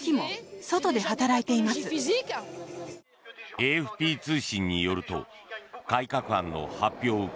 ＡＦＰ通信によると改革案の発表を受け